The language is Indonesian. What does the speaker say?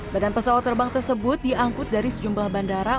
badan pesawat terbang tersebut diangkut dari sejumlah bandara